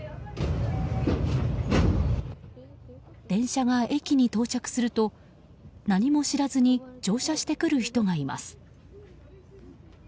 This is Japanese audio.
電車が駅に到着すると何も知らずに乗車してくる人がいます。